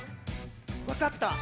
わかった。